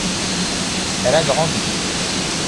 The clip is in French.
Elle a grandi.